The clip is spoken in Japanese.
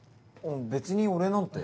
別にお礼なんて。